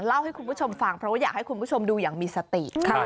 เล่าให้คุณผู้ชมฟังเพราะว่าอยากให้คุณผู้ชมดูอย่างมีสติ